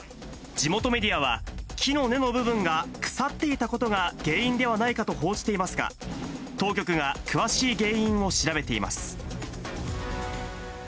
地元メディアは、木の根の部分が腐っていたことが原因ではないかと報じていますが、当局が詳しい原因を調べています。